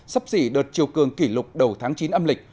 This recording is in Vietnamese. sắp xỉ đợt chiều cường kỷ lục đầu tháng chín âm lịch